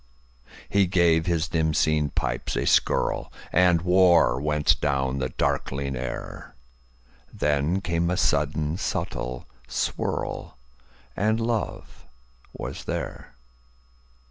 He gave his dim seen pipes a skirlAnd war went down the darkling air; Then came a sudden subtle swirl, And love was there.